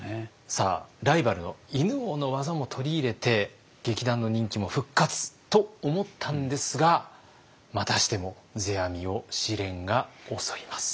さあライバルの犬王の技も取り入れて劇団の人気も復活と思ったんですがまたしても世阿弥を試練が襲います。